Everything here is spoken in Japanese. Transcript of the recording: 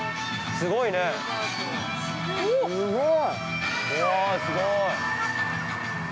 ◆すごーい。